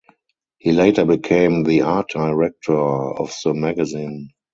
He later became the art director of the magazine.